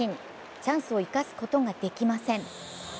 チャンスを生かすことができません。